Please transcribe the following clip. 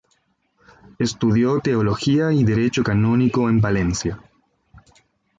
Estudió Teología y Derecho Canónico en Valencia.